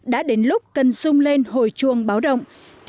đã đến lúc cần sung lên hồi chuông báo động